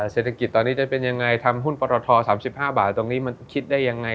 เศรษฐกิจตอนนี้จะเป็นยังไงทำหุ้นปรท๓๕บาทตรงนี้มันคิดได้ยังไง